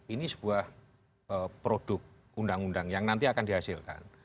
ini sebuah produk undang undang yang nanti akan dihasilkan